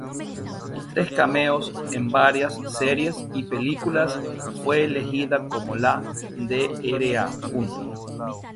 Tras cameos en varias series y películas fue elegida como la Dra.